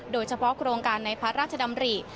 โดยเฉพาะโครงการในพระราชดำรี